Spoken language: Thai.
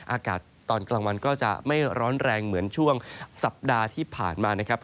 อากาศตอนกลางวันก็จะไม่ร้อนแรงเหมือนช่วงสัปดาห์ที่ผ่านมานะครับ